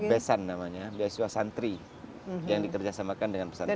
besan namanya beasiswa santri yang dikerjasamakan dengan pesantren